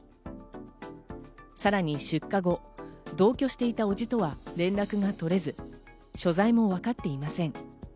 さらに出火後、同居していた伯父とは連絡が取れず所在もわかっていません。